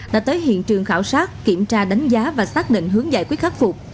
đã tới hiện trường khảo sát kiểm tra đánh giá và xác định hướng giải quyết khắc phục